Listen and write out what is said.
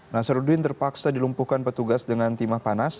nasaruddin terpaksa dilumpuhkan petugas dengan timah panas